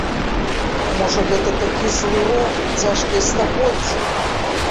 Можа, гэта такі злы рок, цяжкія стагоддзі?